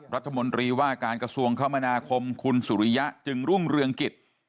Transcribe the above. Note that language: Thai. รัฐมนตรีว่าการกระทรวงคมนาคมคุณสุริยะจึงรุ่งเรืองกิจ